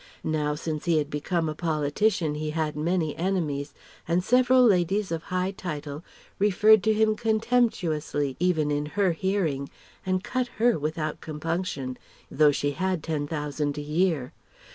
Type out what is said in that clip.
Now, since he had become a politician he had many enemies, and several ladies of high title referred to him contemptuously even in her hearing and cut her without compunction, though she had Ten thousand a year.